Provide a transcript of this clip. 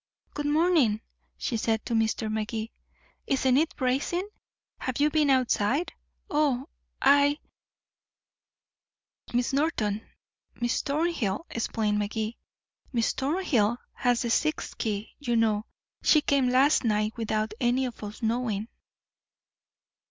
"Good morning," she said to Mr. Magee. "Isn't it bracing? Have you been outside? Oh, I " "Miss Norton Miss Thornhill," explained Magee. "Miss Thornhill has the sixth key, you know. She came last night without any of us knowing."